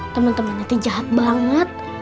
temen temennya itu jahat banget